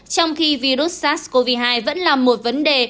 trong khi virus sars cov hai vẫn là một vấn đề